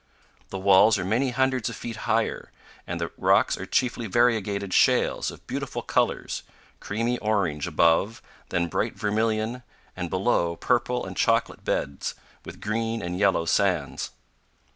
The walls are many hundreds of feet higher, and the rocks are chiefly variegated shales of beautiful colors creamy orange above, then bright vermilion, and below, purple and chocolate beds, with green and yellow sands.